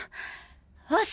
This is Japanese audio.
よし！